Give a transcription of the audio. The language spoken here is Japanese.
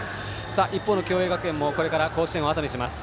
一方の共栄学園も甲子園をあとにします。